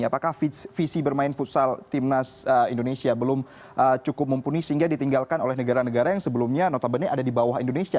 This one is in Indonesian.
apakah visi bermain futsal timnas indonesia belum cukup mumpuni sehingga ditinggalkan oleh negara negara yang sebelumnya notabene ada di bawah indonesia